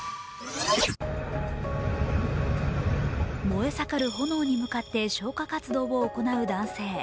燃え盛る炎に向かって消火活動を行う男性。